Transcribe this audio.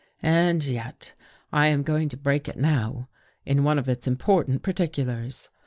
And yet I am going to break it now in one of its important particulars.